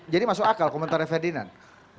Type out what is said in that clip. jadi masuk akal komentarnya ferdinand